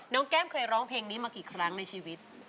แก้มเคยร้องเพลงนี้มากี่ครั้งในชีวิต